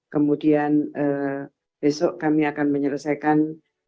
kemudian besok kami akan menyelesaikan